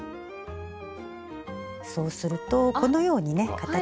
そうするとこのようにね形が。